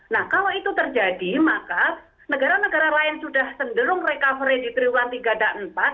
nah kalau itu terjadi maka negara negara lain sudah cenderung recovery di triwulan tiga dan empat